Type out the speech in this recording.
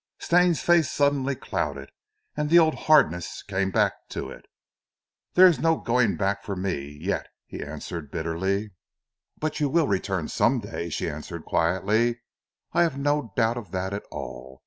Stane's face suddenly clouded, and the old hardness came back to it. "There is no going back for me yet," he answered bitterly. "But you will return, some day," she answered quietly. "I have no doubt of that at all.